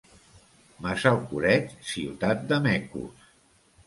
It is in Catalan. Massalcoreig, ciutat de mecos.